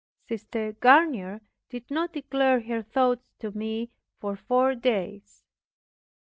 Sister Garnier did not declare her thoughts to me for four days.